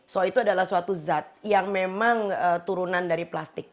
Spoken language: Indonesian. so itu adalah suatu zat yang memang turunan dari plastik